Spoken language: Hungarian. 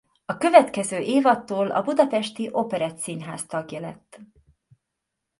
A következő évadtól a Budapesti Operettszínház tagja lett.